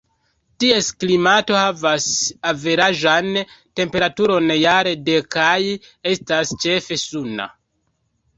Ties klimato havas averaĝan temperaturon jare de kaj estas ĉefe suna.